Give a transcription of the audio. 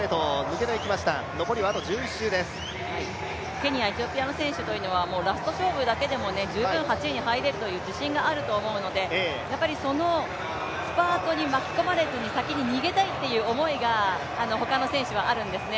ケニア、エチオピアの選手というのはラスト勝負だけでも十分８位に入れるという自信があると思うので、そのスパートに巻き込まれずに、先に逃げたいという思いが他の選手はあるんですね。